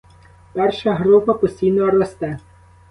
Перша група постійно росте.